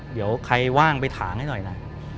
เดี๋ยวใครว่างไปถางให้หน่อยนะ